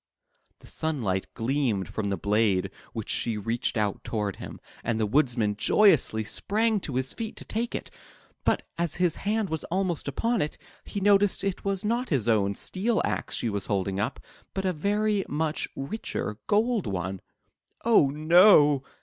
The sunlight gleamed from the blade w^hich she reached out toward him, and the Woodman joyously sprang to his feet to take it. But as his hand was almost upon it, he noticed it was not his own steel axe she was holding up, but a very much richer golden one. "Oh no!"